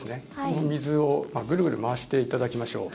この水をグルグル回していただきましょう。